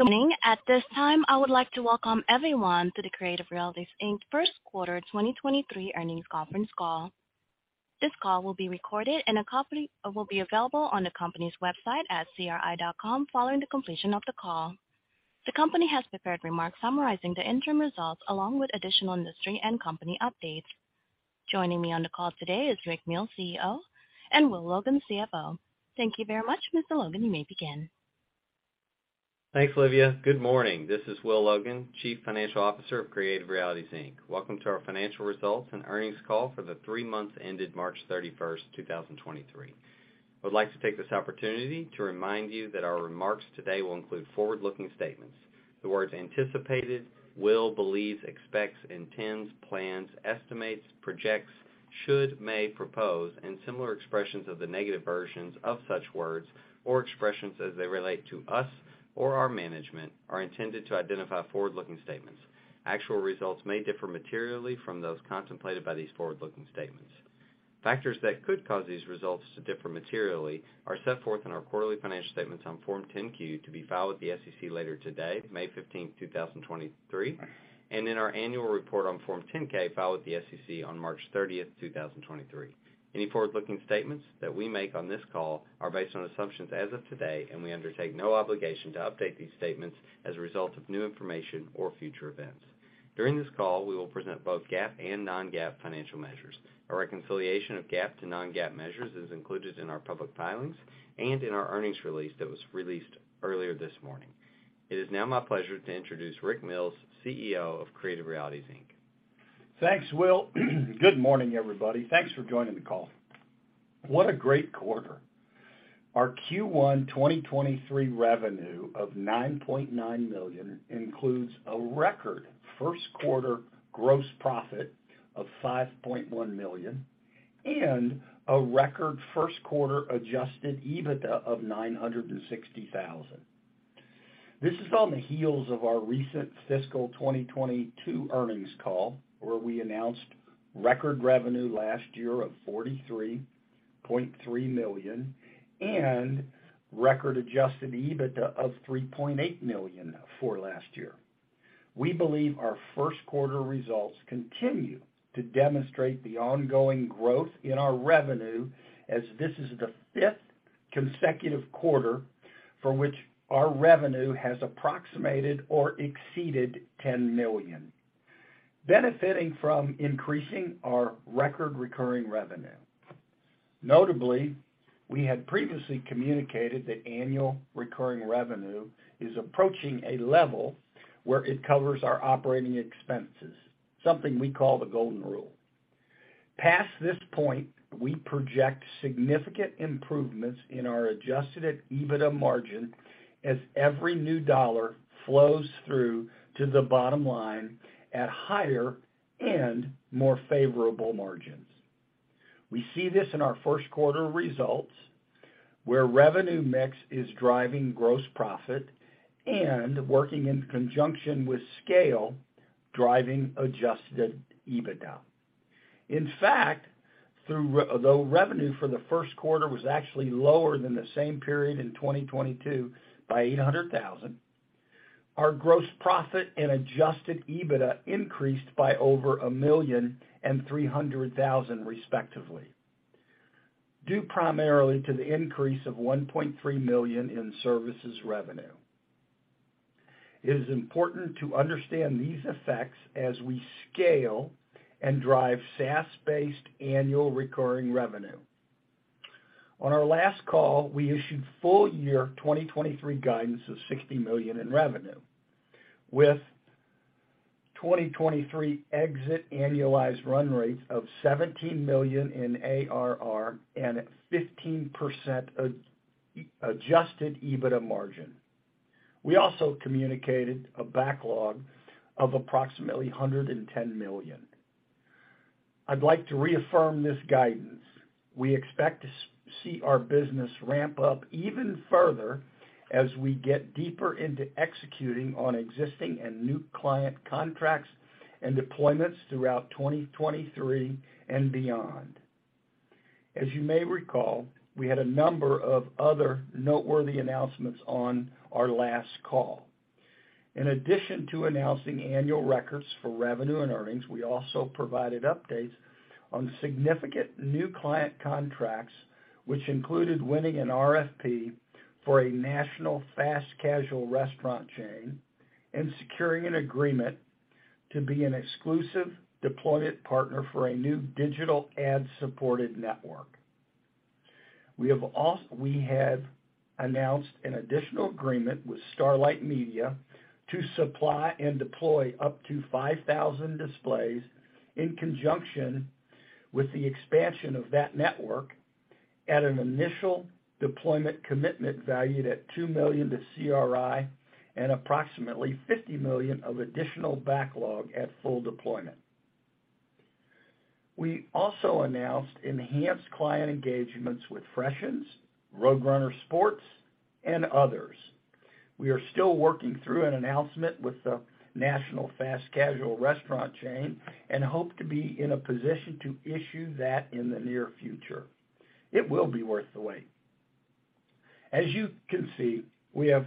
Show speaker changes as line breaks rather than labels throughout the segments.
Good morning. At this time, I would like to welcome everyone to the Creative Realities Inc. Q1 2023 Earnings Conference Call. This call will be recorded and a copy will be available on the company's website at cri.com following the completion of the call. The company has prepared remarks summarizing the interim results along with additional industry and company updates. Joining me on the call today is Rick Mills, CEO, and Will Logan, CFO. Thank you very much. Mr. Logan, you may begin.
Thanks, Livia. Good morning. This is Will Logan, Chief Financial Officer of Creative Realities, Inc. Welcome to our financial results and earnings call for the three months ended March 31st, 2023. I would like to take this opportunity to remind you that our remarks today will include forward-looking statements. The words anticipated, will, believes, expects, intends, plans, estimates, projects, should, may, propose, and similar expressions of the negative versions of such words or expressions as they relate to us or our management are intended to identify forward-looking statements. Actual results may differ materially from those contemplated by these forward-looking statements. Factors that could cause these results to differ materially are set forth in our quarterly financial statements on Form 10-Q to be filed with the SEC later today, May 15th, 2023, and in our annual report on Form 10-K filed with the SEC on March 30th, 2023. Any forward-looking statements that we make on this call are based on assumptions as of today, and we undertake no obligation to update these statements as a result of new information or future events. During this call, we will present both GAAP and non-GAAP financial measures. A reconciliation of GAAP to non-GAAP measures is included in our public filings and in our earnings release that was released earlier this morning. It is now my pleasure to introduce Rick Mills, CEO of Creative Realities, Inc.
Thanks, Will. Good morning, everybody. Thanks for joining the call. What a great quarter. Our Q1 2023 revenue of $9.9 million includes a record Q1 gross profit of $5.1 million and a record Q1 Adjusted EBITDA of $960,000. This is on the heels of our recent fiscal 2022 earnings call, where we announced record revenue last year of $43.3 million and record Adjusted EBITDA of $3.8 million for last year. We believe our Q1 results continue to demonstrate the ongoing growth in our revenue as this is the fifth consecutive quarter for which our revenue has approximated or exceeded $10 million, benefiting from increasing our record recurring revenue. Notably, we had previously communicated that annual recurring revenue is approaching a level where it covers our operating expenses, something we call the golden rule. Past this point, we project significant improvements in our Adjusted EBITDA margin as every new dollar flows through to the bottom line at higher and more favorable margins. We see this in our Q1 results, where revenue mix is driving gross profit and working in conjunction with scale, driving Adjusted EBITDA. In fact, although revenue for the Q1 was actually lower than the same period in 2022 by $800,000, our gross profit and Adjusted EBITDA increased by over $1 million and $300,000, respectively, due primarily to the increase of $1.3 million in services revenue. It is important to understand these effects as we scale and drive SaaS-based annual recurring revenue. On our last call, we issued full year 2023 guidance of $60 million in revenue, with 2023 exit annualized run rates of $17 million in ARR and a 15% Adjusted EBITDA margin. We also communicated a backlog of approximately $110 million. I'd like to reaffirm this guidance. We expect to see our business ramp up even further as we get deeper into executing on existing and new client contracts and deployments throughout 2023 and beyond. As you may recall, we had a number of other noteworthy announcements on our last call. In addition to announcing annual records for revenue and earnings, we also provided updates on significant new client contracts, which included winning an RFP for a national fast casual restaurant chain and securing an agreement to be an exclusive deployment partner for a new digital ad-supported network. We have announced an additional agreement with Starlite Media to supply and deploy up to 5,000 displays in conjunction with the expansion of that network at an initial deployment commitment valued at $2 million to CRI and approximately $50 million of additional backlog at full deployment. We also announced enhanced client engagements with Freshëns, Road Runner Sports, and others. We are still working through an announcement with the national fast casual restaurant chain and hope to be in a position to issue that in the near future. It will be worth the wait. As you can see, we have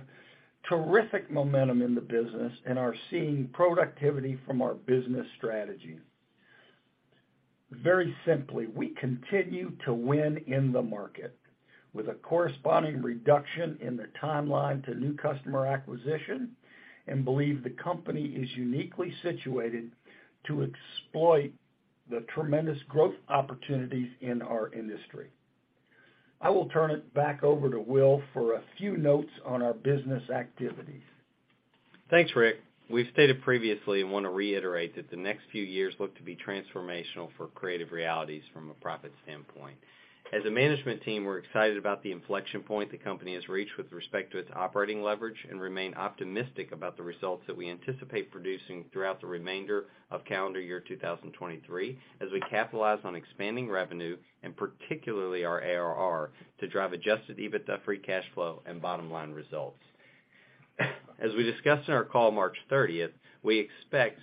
terrific momentum in the business and are seeing productivity from our business strategy. Very simply, we continue to win in the market with a corresponding reduction in the timeline to new customer acquisition and believe the company is uniquely situated to exploit the tremendous growth opportunities in our industry. I will turn it back over to Will for a few notes on our business activities.
Thanks, Rick. We've stated previously and want to reiterate that the next few years look to be transformational for Creative Realities from a profit standpoint. As a management team, we're excited about the inflection point the company has reached with respect to its operating leverage and remain optimistic about the results that we anticipate producing throughout the remainder of calendar year 2023 as we capitalize on expanding revenue and particularly our ARR to drive Adjusted EBITDA free cash flow and bottom-line results. As we discussed in our call March 30th, we expect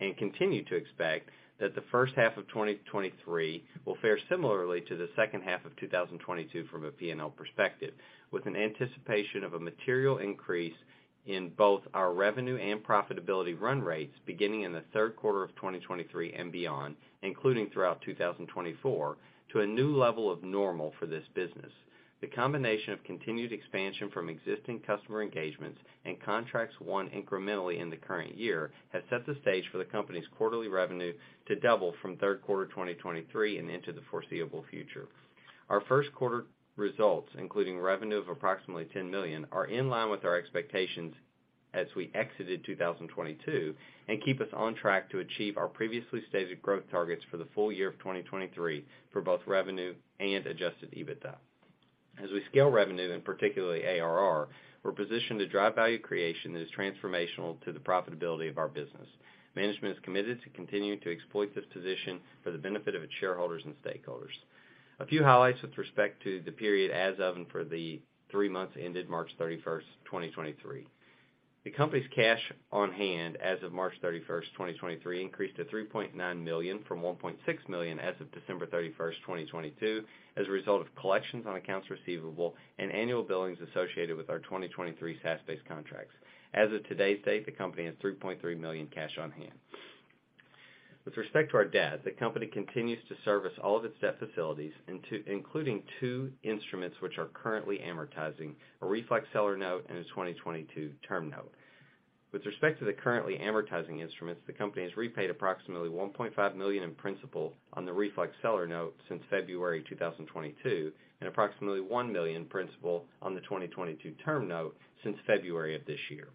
and continue to expect that the H1 of 2023 will fare similarly to the H2 of 2022 from a PNL perspective, with an anticipation of a material increase in both our revenue and profitability run rates beginning in the Q3 of 2023 and beyond, including throughout 2024, to a new level of normal for this business. The combination of continued expansion from existing customer engagements and contracts won incrementally in the current year has set the stage for the company's quarterly revenue to double from Q3 of 2023 and into the foreseeable future. Our Q1 results, including revenue of approximately $10 million, are in line with our expectations as we exited 2022 and keep us on track to achieve our previously stated growth targets for the full year of 2023 for both revenue and Adjusted EBITDA. As we scale revenue, and particularly ARR, we're positioned to drive value creation that is transformational to the profitability of our business. Management is committed to continuing to exploit this position for the benefit of its shareholders and stakeholders. A few highlights with respect to the period as of and for the three months ended March 31st, 2023. The company's cash on hand as of March 31st, 2023 increased to $3.9 million from $1.6 million as of December 31st, 2022, as a result of collections on accounts receivable and annual billings associated with our 2023 SaaS-based contracts. As of today's date, the company has $3.3 million cash on hand. With respect to our debt, the company continues to service all of its debt facilities, including two instruments which are currently amortizing, a Reflect Seller Note and a 2022 Term Note. With respect to the currently amortizing instruments, the company has repaid approximately $1.5 million in principal on the Reflex Seller Note since February 2022, and approximately $1 million in principal on the 2022 Term Note since February of this year.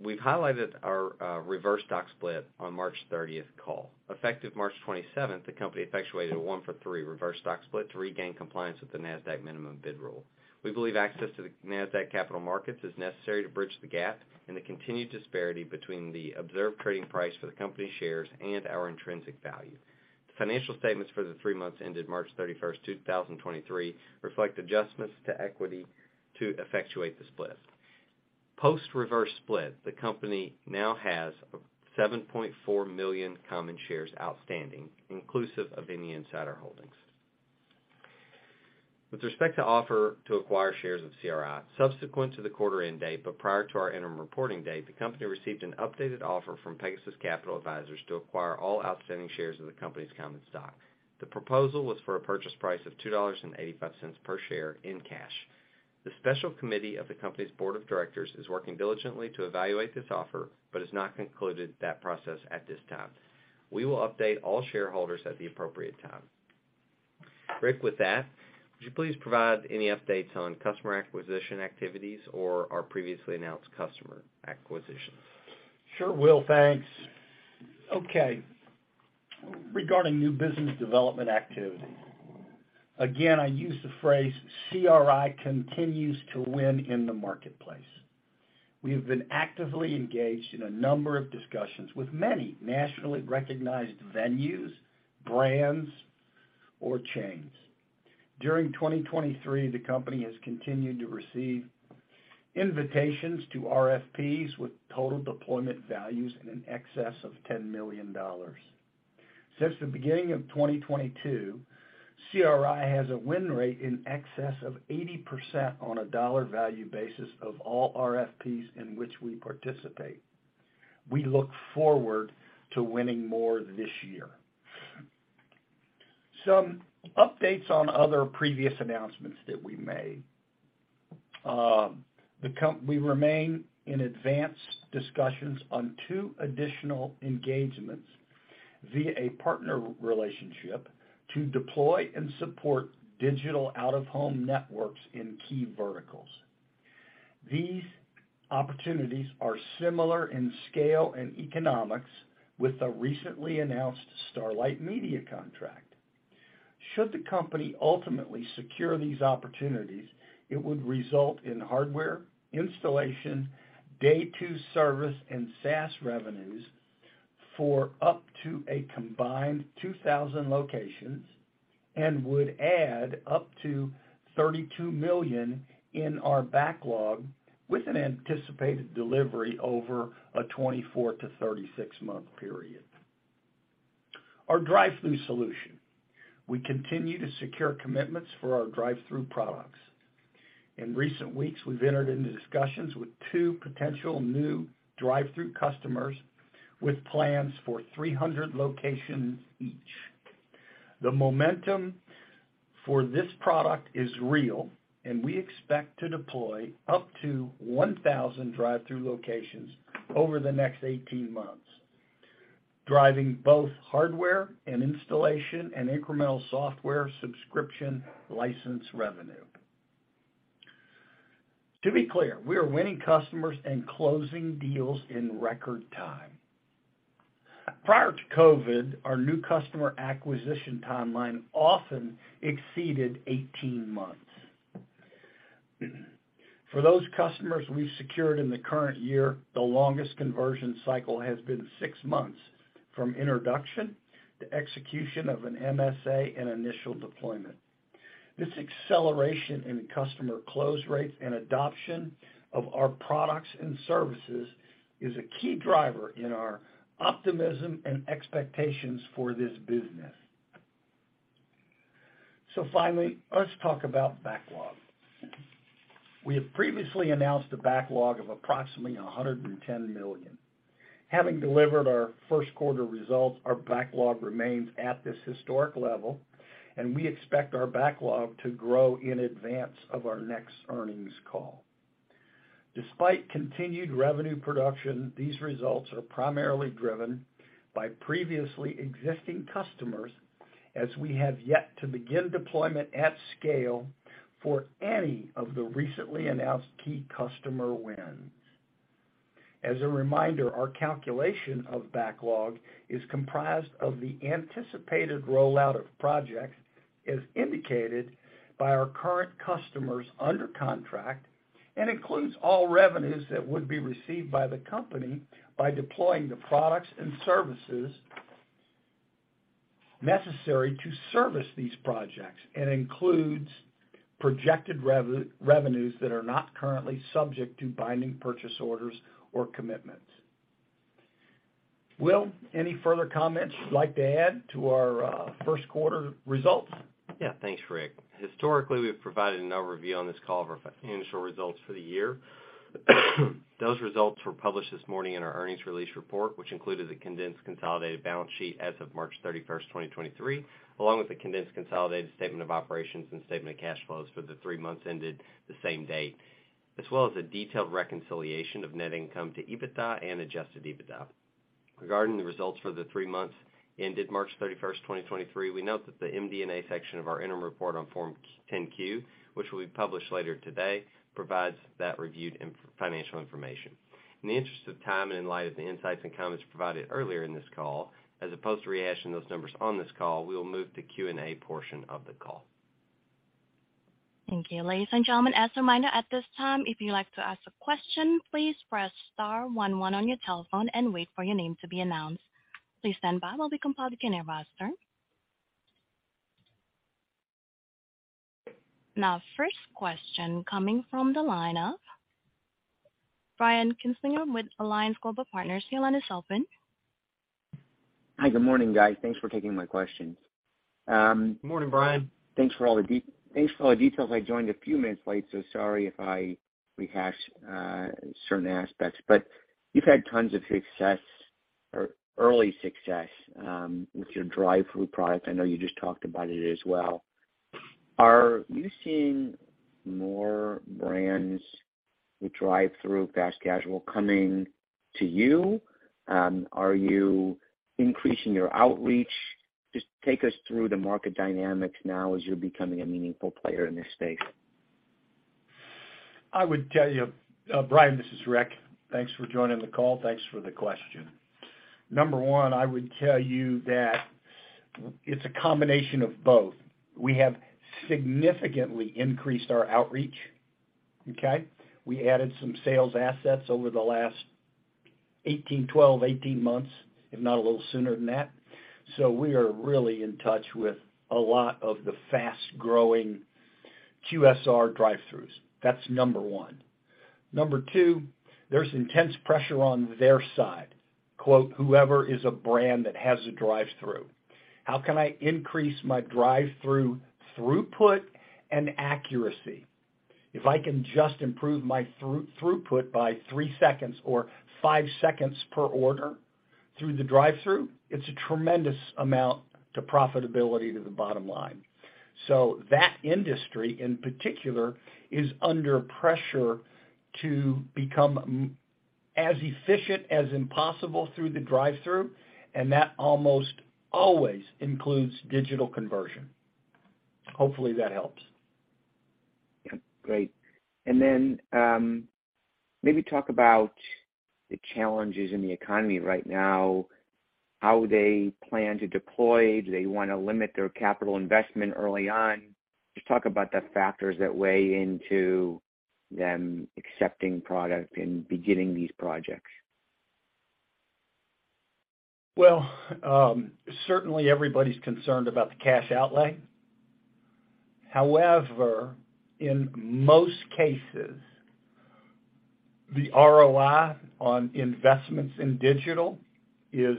We've highlighted our reverse stock split on March 30th call. Effective March 27th, the company effectuated a 1-for-3 reverse stock split to regain compliance with the Nasdaq minimum bid rule. We believe access to the Nasdaq Capital Market is necessary to bridge the gap and the continued disparity between the observed trading price for the company shares and our intrinsic value. The financial statements for the 3 months ended March 31st, 2023 reflect adjustments to equity to effectuate the split. Post reverse split, the company now has $7.4 million common shares outstanding, inclusive of any insider holdings. With respect to offer to acquire shares of CRI, subsequent to the quarter end date but prior to our interim reporting date, the company received an updated offer from Pegasus Capital Advisors to acquire all outstanding shares of the company's common stock. The proposal was for a purchase price of $2.85 per share in cash. The special committee of the company's board of directors is working diligently to evaluate this offer, but has not concluded that process at this time. We will update all shareholders at the appropriate time. Rick, with that, would you please provide any updates on customer acquisition activities or our previously announced customer acquisitions?
Sure, Will. Thanks. Okay. Regarding new business development activity, again, I use the phrase CRI continues to win in the marketplace. We have been actively engaged in a number of discussions with many nationally recognized venues, brands, or chains. During 2023, the company has continued to receive invitations to RFPs with total deployment values in an excess of $10 million. Since the beginning of 2022, CRI has a win rate in excess of 80% on a dollar value basis of all RFPs in which we participate. We look forward to winning more this year. Some updates on other previous announcements that we made. we remain in advanced discussions on two additional engagements via a partner relationship to deploy and support digital out-of-home networks in key verticals. These opportunities are similar in scale and economics with the recently announced Starlite Media contract. Should the company ultimately secure these opportunities, it would result in hardware, installation, day two service, and SaaS revenues for up to a combined 2,000 locations and would add up to $32 million in our backlog with an anticipated delivery over a 24- to 36-month period. Our drive-thru solution. We continue to secure commitments for our drive-thru products. In recent weeks, we've entered into discussions with 2 potential new drive-thru customers with plans for 300 locations each. The momentum for this product is real. We expect to deploy up to 1,000 drive-thru locations over the next 18 months, driving both hardware and installation and incremental software subscription license revenue. To be clear, we are winning customers and closing deals in record time. Prior to COVID, our new customer acquisition timeline often exceeded 18 months. For those customers we've secured in the current year, the longest conversion cycle has been 6 months from introduction to execution of an MSA and initial deployment. This acceleration in customer close rates and adoption of our products and services is a key driver in our optimism and expectations for this business. Finally, let's talk about backlog. We have previously announced a backlog of approximately $110 million. Having delivered our Q1 results, our backlog remains at this historic level, and we expect our backlog to grow in advance of our next earnings call. Despite continued revenue production, these results are primarily driven by previously existing customers as we have yet to begin deployment at scale for any of the recently announced key customer wins. As a reminder, our calculation of backlog is comprised of the anticipated rollout of projects as indicated by our current customers under contract, and includes all revenues that would be received by the company by deploying the products and services necessary to service these projects, and includes projected revenues that are not currently subject to binding purchase orders or commitments. Will, any further comments you'd like to add to our Q1 results?
Thanks, Rick. Historically, we've provided an overview on this call of our financial results for the year. Those results were published this morning in our earnings release report, which included the condensed consolidated balance sheet as of March 31st, 2023, along with the condensed consolidated statement of operations and statement of cash flows for the 3 months ended the same day, as well as a detailed reconciliation of net income to EBITDA and Adjusted EBITDA. Regarding the results for the 3 months ended March 31st, 2023, we note that the MD&A section of our interim report on Form 10-Q, which will be published later today, provides that reviewed financial information. In the interest of time and in light of the insights and comments provided earlier in this call, as opposed to rehash those numbers on this call, we will move to Q&A portion of the call.
Thank you. Ladies and gentlemen, as a reminder at this time, if you'd like to ask a question, please press star 11 on your telephone and wait for your name to be announced. Please stand by while we compile the
Good morning, Brian.
Thanks for all the details. I joined a few minutes late, so sorry if I rehash, certain aspects. You've had tons of success or early success, with your drive-thru product. I know you just talked about it as well. Are you seeing more brands with drive-thru fast casual coming to you? Are you increasing your outreach? Just take us through the market dynamics now as you're becoming a meaningful player in this space.
I would tell you. Brian, this is Rick. Thanks for joining the call. Thanks for the question. Number one, I would tell you that it's a combination of both. We have significantly increased our outreach, okay? We added some sales assets over the last 18, 12, 18 months, if not a little sooner than that. We are really in touch with a lot of the fast-growing QSR drive-thrus. That's number one. Number two, there's intense pressure on their side, quote, "whoever is a brand that has a drive-thru." How can I increase my drive-thru throughput and accuracy? If I can just improve my thru-throughput by 3 seconds or 5 seconds per order through the drive-thru, it's a tremendous amount to profitability to the bottom line. That industry in particular is under pressure to become as efficient as impossible through the drive-thru, and that almost always includes digital conversion. Hopefully, that helps.
Yeah, great. Then maybe talk about the challenges in the economy right now, how they plan to deploy. Do they wanna limit their capital investment early on? Just talk about the factors that weigh into them accepting product and beginning these projects.
Certainly everybody's concerned about the cash outlay. In most cases, the ROI on investments in digital is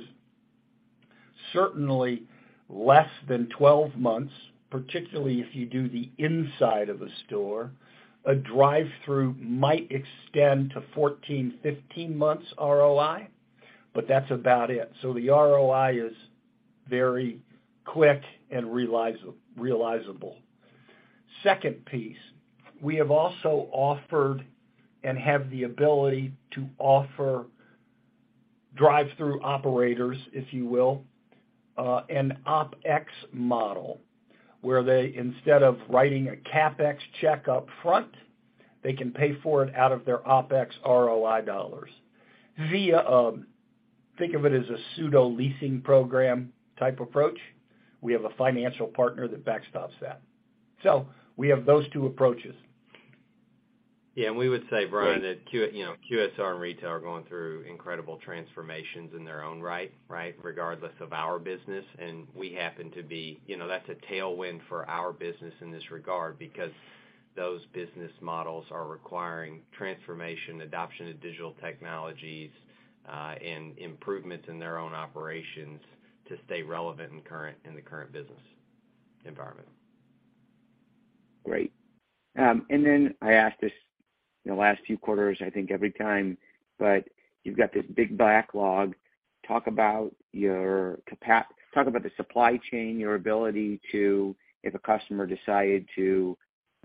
certainly less than 12 months, particularly if you do the inside of a store. A drive-through might extend to 14, 15 months ROI, but that's about it. The ROI is very quick and realizable. Second piece, we have also offered and have the ability to offer drive-through operators, if you will, an OpEx model, where they, instead of writing a CapEx check up front, they can pay for it out of their OpEx ROI dollars via, think of it as a pseudo leasing program type approach. We have a financial partner that backstops that. We have those two approaches.
Yeah. We would say, Brian, that you know, QSR and retail are going through incredible transformations in their own right? Regardless of our business, we happen to be... You know, that's a tailwind for our business in this regard because those business models are requiring transformation, adoption of digital technologies, and improvements in their own operations to stay relevant and current in the current business environment.
Great. I asked this in the last few quarters, I think every time, you've got this big backlog. Talk about the supply chain, your ability to, if a customer decided to,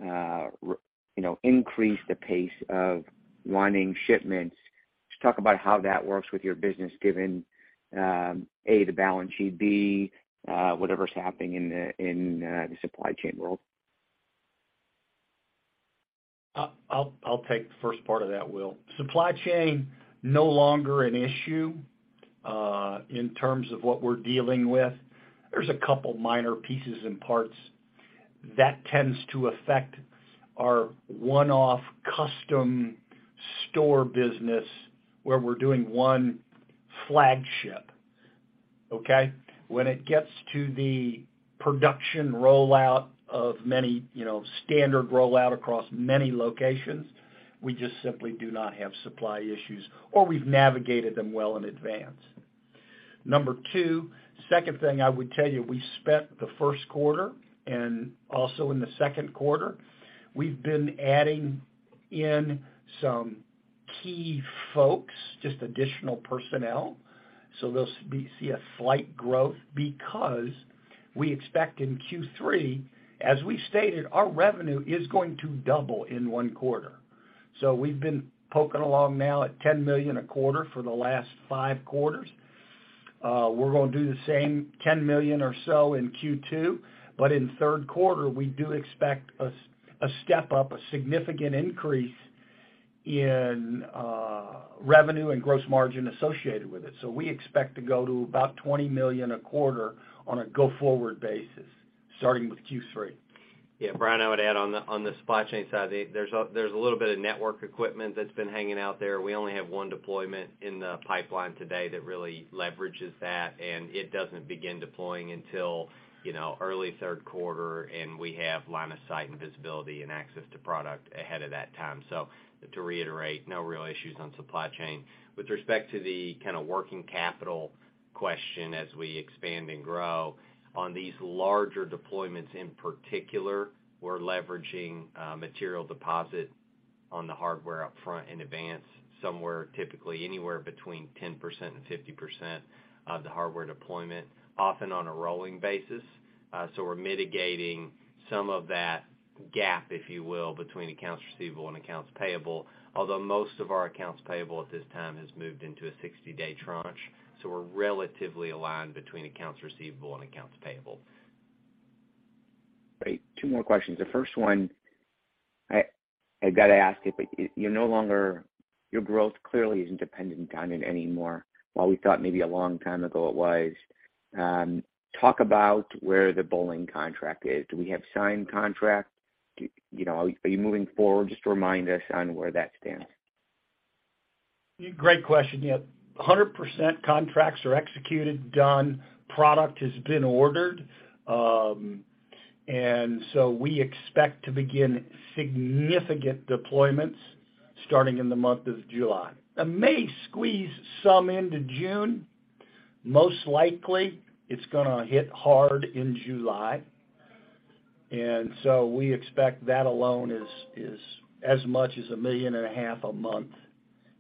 you know, increase the pace of wanting shipments. Talk about how that works with your business, given, A, the balance sheet, B, whatever's happening in the supply chain world.
I'll take the first part of that, Will. Supply chain, no longer an issue, in terms of what we're dealing with. There's a couple minor pieces and parts that tends to affect our one-off custom store business where we're doing 1 flagship. Okay? When it gets to the production rollout of many, you know, standard rollout across many locations, we just simply do not have supply issues, or we've navigated them well in advance. Number 2, second thing I would tell you, we spent the Q1, and also in the Q2, we've been adding in some key folks, just additional personnel. They'll see a slight growth because we expect in Q3, as we stated, our revenue is going to double in one quarter. We've been poking along now at $10 million a quarter for the last five quarters. We're gonna do the same $10 million or so in Q2. In Q3, we do expect a step up, a significant increase in revenue and gross margin associated with it. We expect to go to about $20 million a quarter on a go-forward basis, starting with Q3.
Brian, I would add on the supply chain side, there's a little bit of network equipment that's been hanging out there. We only have one deployment in the pipeline today that really leverages that. It doesn't begin deploying until, you know, early Q3. We have line of sight and visibility and access to product ahead of that time. To reiterate, no real issues on supply chain. With respect to the kinda working capital question as we expand and grow, on these larger deployments in particular, we're leveraging material deposit on the hardware up front in advance, somewhere typically anywhere between 10% and 50% of the hardware deployment, often on a rolling basis. We're mitigating some of that gap, if you will, between accounts receivable and accounts payable. Most of our accounts payable at this time has moved into a 60-day tranche, so we're relatively aligned between accounts receivable and accounts payable.
Great. Two more questions. The first one, I gotta ask it. Your growth clearly isn't dependent on it anymore. While we thought maybe a long time ago it was, talk about where the BCTV contract is. Do we have signed contract? You know, are you moving forward? Just remind us on where that stands.
Great question. Yeah. 100% contracts are executed, done, product has been ordered. We expect to begin significant deployments starting in the month of July. I may squeeze some into June. Most likely, it's gonna hit hard in July. We expect that alone is as much as a $1.5 million a month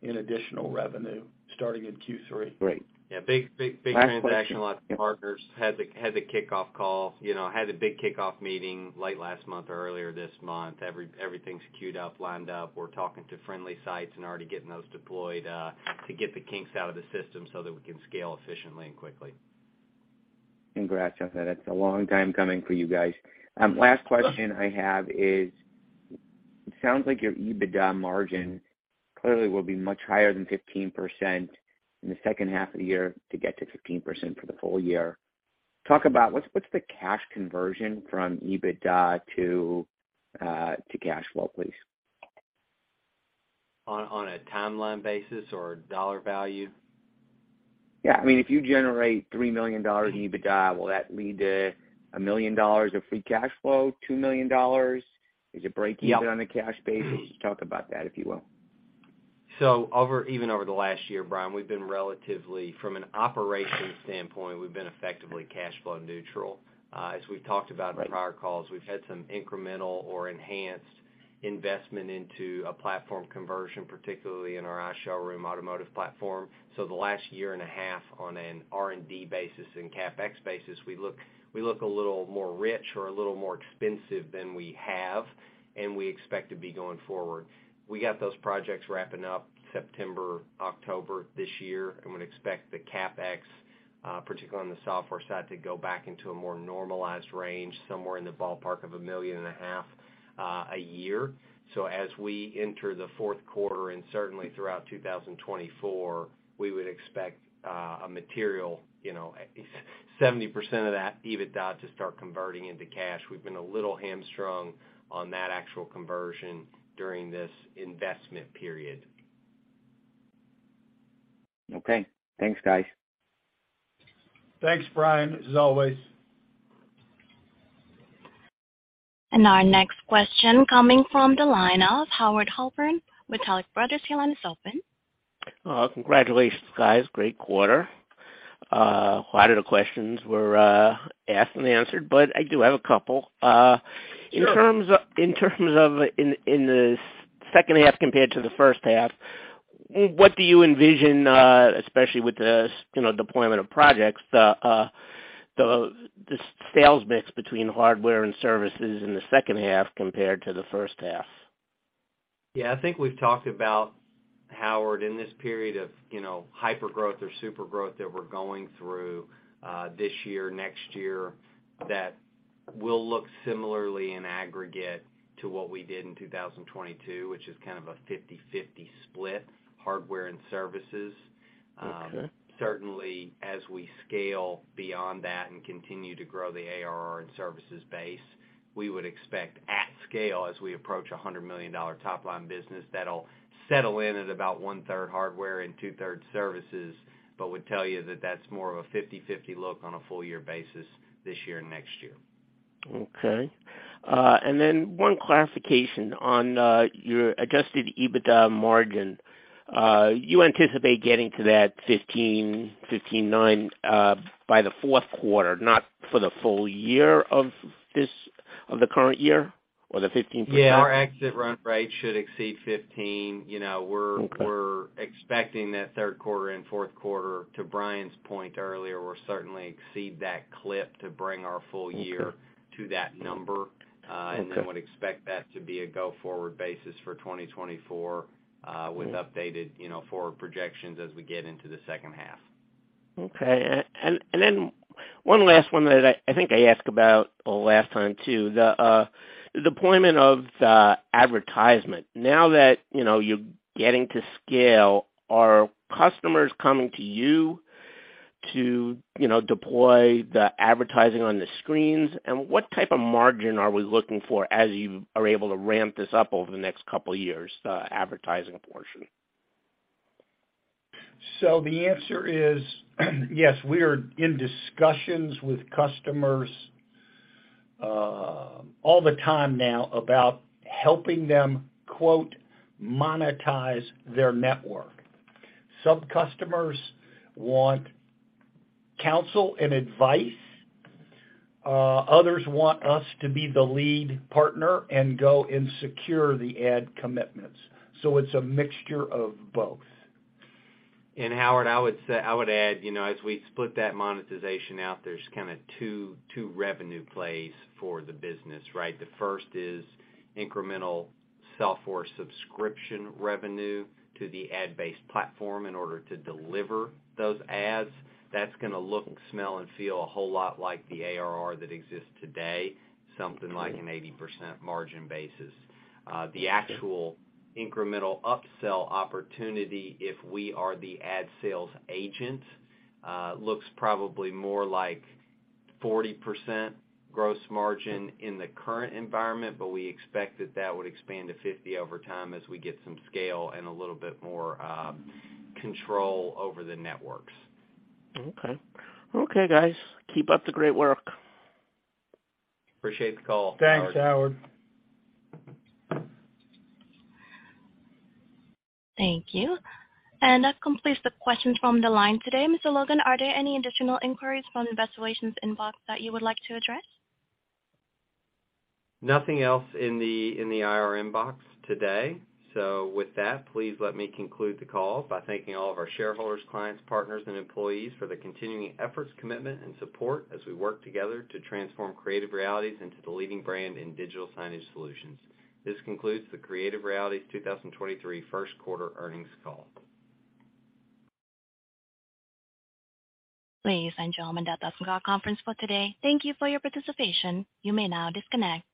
in additional revenue starting in Q3.
Great.
Yeah. Big, big, big transaction partners. Had the kickoff call, you know, had a big kickoff meeting late last month or earlier this month. Everything's queued up, lined up. We're talking to friendly sites and already getting those deployed to get the kinks out of the system so that we can scale efficiently and quickly.
Congrats on that. It's a long time coming for you guys. Last question I have is: It sounds like your EBITDA margin clearly will be much higher than 15% in the second half of the year to get to 15% for the full year. Talk about what's the cash conversion from EBITDA to cash flow, please?
On a timeline basis or dollar value?
Yeah, I mean, if you generate $3 million EBITDA, will that lead to $1 million of free cash flow, $2 million?
Yep.
even on a cash basis? Talk about that, if you will.
Even over the last year, Brian, we've been relatively from an operations standpoint, we've been effectively cash flow neutral. As we've talked about in prior calls, we've had some incremental or enhanced investment into a platform conversion, particularly in our iShowroom automotive platform. The last year and a half on an R&D basis and CapEx basis, we look a little more rich or a little more expensive than we have, and we expect to be going forward. We got those projects wrapping up September, October this year, and would expect the CapEx, particularly on the software side, to go back into a more normalized range, somewhere in the ballpark of a $1.5 million a year. As we enter the Q4 and certainly throughout 2024, we would expect a material, you know, 70% of that EBITDA to start converting into cash. We've been a little hamstrung on that actual conversion during this investment period.
Okay. Thanks, guys.
Thanks, Brian, as always.
Our next question coming from the line of Howard Halpern, Taglich Brothers. Your line is open.
Congratulations, guys. Great quarter. A lot of the questions were asked and answered, but I do have a couple.
Sure.
In terms of in the second half compared to the first half, what do you envision, especially with the, you know, deployment of projects, the sales mix between hardware and services in the second half compared to the first half?
Yeah. I think we've talked about, Howard, in this period of, you know, hypergrowth or super growth that we're going through, this year, next year, that we'll look similarly in aggregate to what we did in 2022, which is kind of a 50/50 split, hardware and services.
Okay.
Certainly as we scale beyond that and continue to grow the ARR and services base, we would expect at scale as we approach a $100 million top line business that'll settle in at about 1/3 hardware and 2/3 services, but would tell you that that's more of a 50/50 look on a full year basis this year and next year.
Okay. Then one clarification on your Adjusted EBITDA margin. You anticipate getting to that 15% by the Q4, not for the full year of the current year or the 15%?
Yeah. Our exit run rate should exceed $15. You know.
Okay.
We're expecting that Q3 and Q4, to Brian's point earlier, will certainly exceed that clip to bring our full year-
Okay.
to that number.
Okay.
Would expect that to be a go-forward basis for 2024.
Okay.
with updated, you know, forward projections as we get into the second half.
Okay. Then one last one that I think I asked about last time too. The deployment of the advertisement. Now that, you know, you're getting to scale, are customers coming to you to, you know, deploy the advertising on the screens? What type of margin are we looking for as you are able to ramp this up over the next couple of years, the advertising portion?
The answer is, yes, we are in discussions with customers all the time now about helping them, quote, "monetize their network." Some customers want counsel and advice, others want us to be the lead partner and go and secure the ad commitments. It's a mixture of both.
Howard, I would add, you know, as we split that monetization out, there's kinda two revenue plays for the business, right? The first is incremental software subscription revenue to the ad-based platform in order to deliver those ads. That's gonna look, smell, and feel a whole lot like the ARR that exists today, something like an 80% margin basis. The actual incremental upsell opportunity, if we are the ad sales agent, looks probably more like 40% gross margin in the current environment, but we expect that that would expand to 50% over time as we get some scale and a little bit more control over the networks.
Okay. Okay, guys. Keep up the great work.
Appreciate the call, Howard.
Thanks, Howard.
Thank you. That completes the questions from the line today. Mr. Logan, are there any additional inquiries from the investor relations that you would like to address?
Nothing else in the, in the IR inbox today. With that, please let me conclude the call by thanking all of our shareholders, clients, partners, and employees for their continuing efforts, commitment, and support as we work together to transform Creative Realities into the leading brand in digital signage solutions. This concludes the Creative Realities' 2023 Q1 earnings call.
Ladies and gentlemen, that does end our conference call today. Thank you for your participation. You may now disconnect.